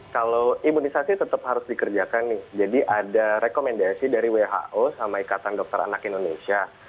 kalau imunisasi tetap harus dikerjakan nih jadi ada rekomendasi dari who sama ikatan dokter anak indonesia